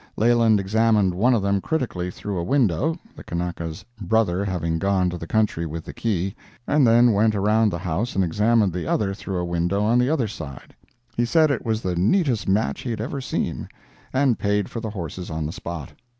Leland examined one of them critically through a window (the Kanaka's "brother" having gone to the country with the key), and then went around the house and examined the other through a window on the other side. He said it was the neatest match he had ever seen, and paid for the horses on the spot.